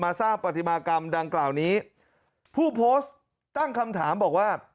สร้างปฏิมากรรมดังกล่าวนี้ผู้โพสต์ตั้งคำถามบอกว่า